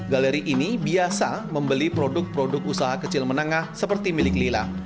galeri ini biasa membeli produk produk usaha kecil menengah seperti milik lila